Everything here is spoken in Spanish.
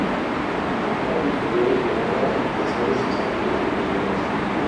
Paco prefirió declinar la invitación de sus antiguos compañeros.